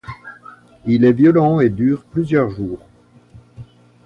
Il est violent et dure plusieurs jours.